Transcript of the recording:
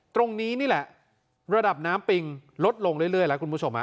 ตรงนี้นี่แหละระดับน้ำปิงลดลงเรื่อยแล้วคุณผู้ชม